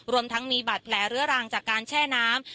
รวมทั้งมีบาดแผลเรื้อรังจากการแช่น้ำ